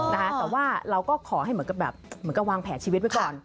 แต่ว่าเราก็ขอวางแผ่ชีวิตไว้ก่อน